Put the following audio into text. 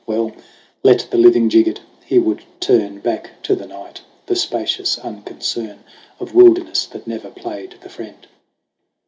Well, let the living jig it ! He would turn Back to the night, the spacious unconcern Of wilderness that never played the friend.